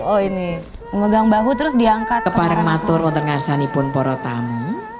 oh ini memegang bahu terus diangkat ke parang matur untuk ngerjain ipun porotamu